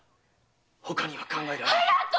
ほかには考えられない。